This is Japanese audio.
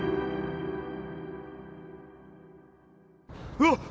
うわっ！